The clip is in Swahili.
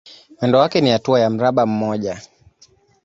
Mwendo wake ni hatua ya mraba mmoja.